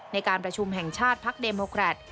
ในการประชุมแห่งชาติพักเดโมแครต